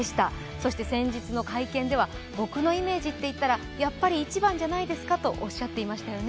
そして先日の会見では、僕のイメージっていったらやっぱり１番じゃないですかとおっしゃっていましたよね。